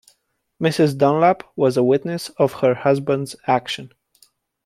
Mrs. Dunlap was a witness of her husband's action.